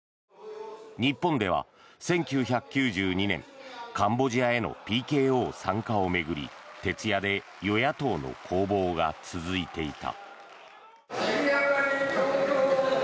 日本では１９９２年カンボジアへのＰＫＯ参加を巡り徹夜で与野党の攻防が続いていた。